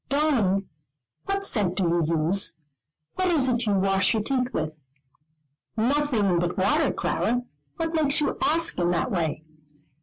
"Darling, what scent do you use? What is it you wash your teeth with?" "Nothing but water, Clara; what makes you ask in that way?"